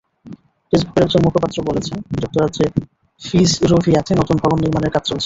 ফেসবুকের একজন মুখপাত্র বলেছেন, যুক্তরাজ্যে ফিজরোভিয়াতে নতুন ভবন নির্মাণের কাজ চলছে।